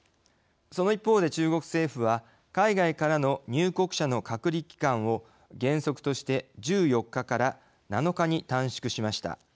その一方で中国政府は海外からの入国者の隔離期間を原則として１４日から７日に短縮しました。